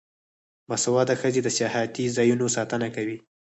باسواده ښځې د سیاحتي ځایونو ساتنه کوي.